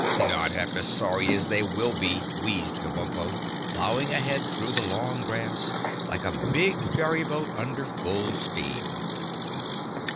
"Not half as sorry as they will be," wheezed Kabumpo, plowing ahead through the long grass like a big ferryboat under full steam.